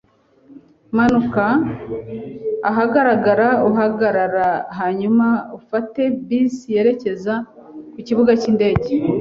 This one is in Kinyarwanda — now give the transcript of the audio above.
Manuka ahagarara ahagarara hanyuma ufate bisi yerekeza ku kibuga cyindege.